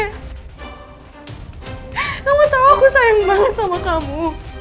kamu tau aku sayang banget sama kamu